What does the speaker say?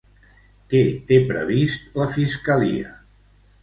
Què té previst la fiscalia?